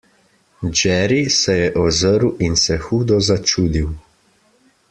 Jerry se je ozrl in se hudo začudil.